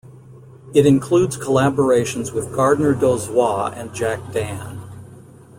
It includes collaborations with Gardner Dozois and Jack Dann.